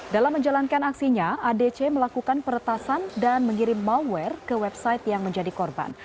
dalam menjalankan aksinya adc melakukan peretasan dan mengirim malware ke website yang menjadi korban